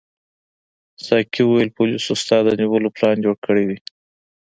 ساقي وویل پولیسو ستا د نیولو پلان جوړ کړی دی.